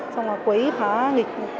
xong rồi quấy phá nghịch